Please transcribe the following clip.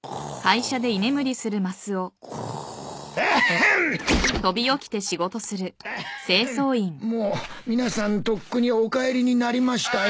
「ほんだし」で・もう皆さんとっくにお帰りになりましたよ。